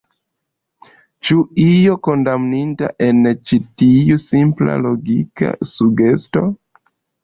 Ĉu io kondamninda en ĉi tiu simpla logika sugesto?